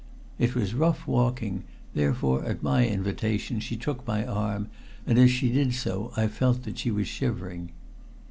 It was rough walking, therefore at my invitation she took my arm, and as she did so I felt that she was shivering.